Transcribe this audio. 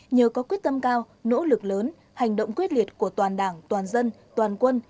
nhờ có quyết tâm cao nỗ lực lớn hành động quyết liệt của toàn đảng toàn dân toàn quân